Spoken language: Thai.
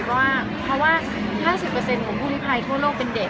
เพราะว่า๕๐ของผู้ดิสไพรเข้าโลกเป็นเด็ก